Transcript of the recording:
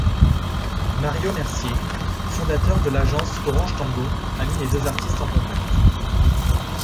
Mario Mercier, fondateur de l’agence Orangetango, a mis les deux artistes en contact.